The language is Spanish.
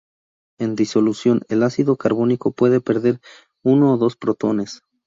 En disolución, el ácido carbónico puede perder uno o dos protones.